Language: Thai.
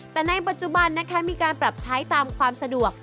แต่ในปัจจุบันนะคะมีการปรับใช้ตามความสะดวก